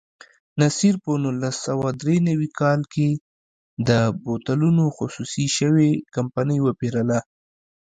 نصیر په نولس سوه درې نوي کال کې د بوتلونو خصوصي شوې کمپنۍ وپېرله.